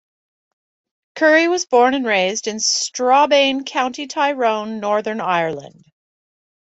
Curry was born and raised in Strabane, County Tyrone, Northern Ireland.